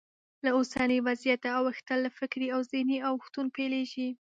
له اوسني وضعیته اوښتل له فکري او ذهني اوښتون پیلېږي.